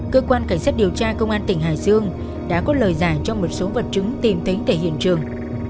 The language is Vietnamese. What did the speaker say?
cơ quan cảnh sát điều tra công an tỉnh hải dương đã có lời giải cho một số vật chứng tìm thấy tại hiện trường